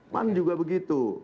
pan juga begitu